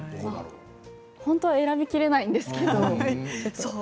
本当は選びきれないんですけど。